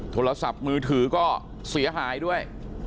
โทรศัพท์มือถือก็เสียหายด้วย